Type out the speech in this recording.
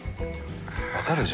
分かるでしょ？